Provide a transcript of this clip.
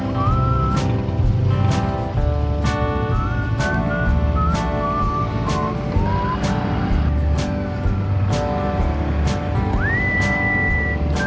dari kapan teh mulai kesini teh